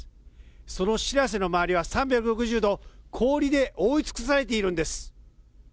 そのしらせの周りは３６０度氷で覆い尽くされているんです。